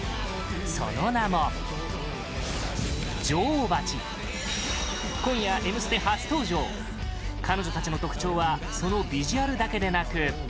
その名も、女王蜂今夜、「Ｍ ステ」初登場彼女たちの特徴はそのビジュアルだけでなく